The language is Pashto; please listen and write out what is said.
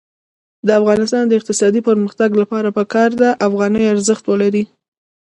د افغانستان د اقتصادي پرمختګ لپاره پکار ده چې افغانۍ ارزښت ولري.